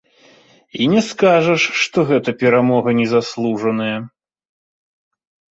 І не скажаш, што гэтая перамога не заслужаная.